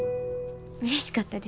うれしかったです。